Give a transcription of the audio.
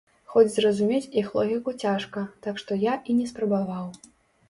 Хоць зразумець іх логіку цяжка, так што я і не спрабаваў.